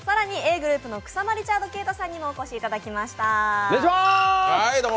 ｇｒｏｕｐの草間リチャード敬太さんにもお越しいただきました。